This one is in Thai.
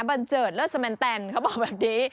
บันเจิดเลิศแมนแตนเขาบอกแบบนี้